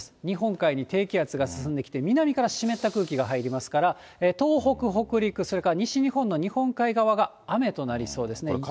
日本海に低気圧が進んできて、南から湿った空気が入りますから、東北、北陸、それから西日本の日本海側が雨となりそうですね。